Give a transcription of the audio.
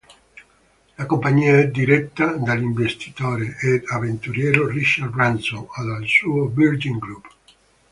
La compagnia è diretta dall'investitore ed avventuriero Richard Branson e dal suo Virgin Group.